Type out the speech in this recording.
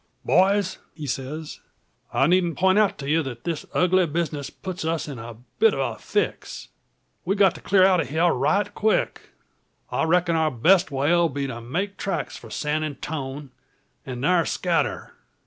"Boys!" he says, "I needn't point out to ye that this ugly business puts us in a bit o' a fix. We've got to clear out o' hyar right quick. I reckon our best way 'll be to make tracks for San Antone, an' thar scatter.